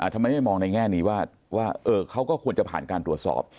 ทำไมไม่มองในแง่นี้ว่าเขาก็ควรจะผ่านการตรวจสอบ